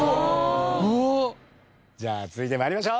じゃあ続いて参りましょう。